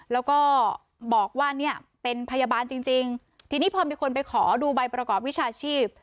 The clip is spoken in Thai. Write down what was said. แล้วก็บอกว่าเนี่ยเป็นพยาบาลจริงจริงทีนี้พอมีคนไปขอดูใบประกอบวิชาชีพ